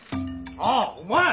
あっお前！